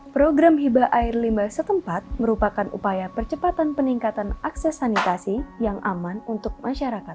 program hibah air limbah setempat merupakan upaya percepatan peningkatan akses sanitasi yang aman untuk masyarakat